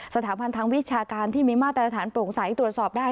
สถาบันทางวิชาการที่มีมาตรฐานโปร่งใสตรวจสอบได้